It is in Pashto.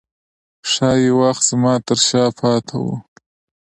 ښايي وخت زما ترشا پاته و